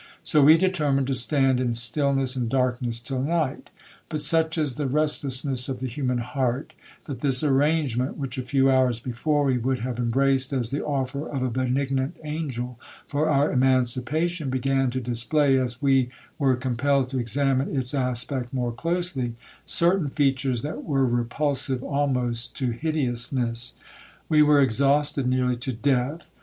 So we determined to stand in stillness and darkness till night; but such is the restlessness of the human heart, that this arrangement, which a few hours before we would have embraced as the offer of a benignant angel for our emancipation, began to display, as we were compelled to examine its aspect more closely, certain features that were repulsive almost to hideousness. We were exhausted nearly to death.